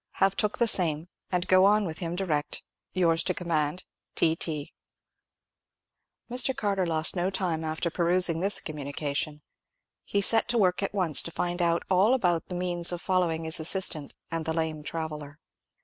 Have took the same, and go on with him direct.—Yours to command, T.T._" Mr. Carter lost no time after perusing this communication. He set to work at once to find out all about the means of following his assistant and the lame traveller.